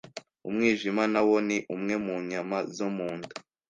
Umwijima na wo ni umwe mu nyama zo mu nda